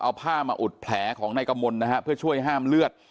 เอาผ้ามาอุดแผลของนายกมลนะฮะเพื่อช่วยห้ามเลือด